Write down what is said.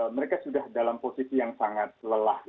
mereka sudah dalam posisi yang sangat lelah